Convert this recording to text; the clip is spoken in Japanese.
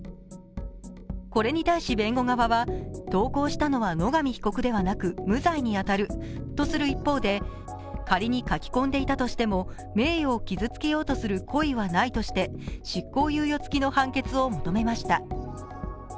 これに対し弁護側は、投稿したのは野上被告ではなく、無罪に当たるとする一方で仮に書き込んでいたとしても名誉を傷つけようとする故意はないとして執行猶予付きの判決を求めました。